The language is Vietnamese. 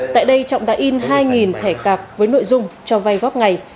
tại đây trọng đã in hai thẻ cạp với nội dung cho vay góp ngày